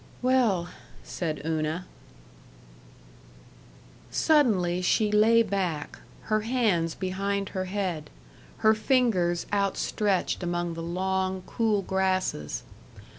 "Well " said Una. Suddenly she lay back, her hands behind her head, her fingers outstretched among the long, cool grasses.